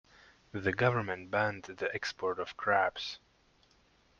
The government banned the export of crabs.